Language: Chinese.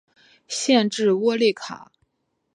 县治窝利卡。